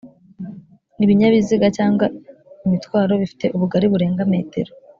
ibinyabiziga cyangwa imitwaro bifite ubugari burenga metero